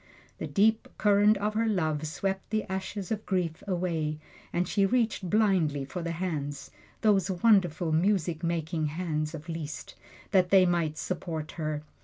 The deep current of her love swept the ashes of grief away, and she reached blindly for the hands those wonderful music making hands of Liszt that they might support her.